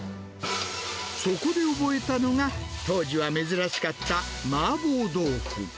そこで覚えたのが、当時は珍しかった麻婆豆腐。